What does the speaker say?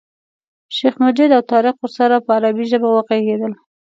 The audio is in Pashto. شیخ مجید او طارق ورسره په عربي ژبه وغږېدل.